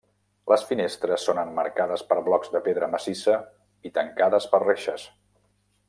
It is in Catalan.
Les finestres són emmarcades per blocs de pedra massissa i tancades per reixes.